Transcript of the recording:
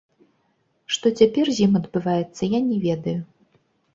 Што цяпер з ім адбываецца, я не ведаю.